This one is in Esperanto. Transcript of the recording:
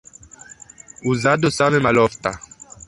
Uzado same malofta.